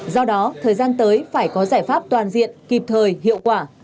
do đó thời gian tới phải có giải pháp toàn diện kịp thời hiệu quả